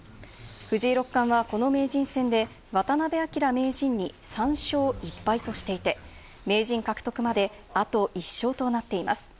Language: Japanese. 藤井六冠はこの名人戦で渡辺明名人に３勝１敗としていて、名人獲得まで、あと１勝となっています。